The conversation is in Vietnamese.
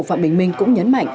phạm bình minh cũng nhấn mạnh